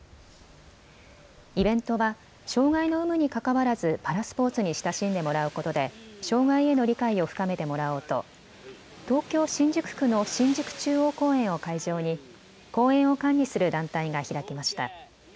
イベントは障害の有無にかかわらずパラスポーツに親しんでもらうことで障害への理解を深めてもらおうと東京新宿区の新宿中央公園を会場に公園を管理する団体が開きました。